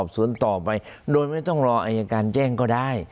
สวนต่อไปโดยไม่ต้องรออายการแจ้งก็ได้